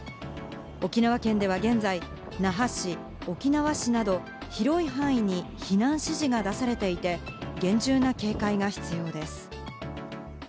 沖縄県では現在、那覇市、沖縄市など広い範囲に避難指示が出されていて、厳重な警戒が必要です。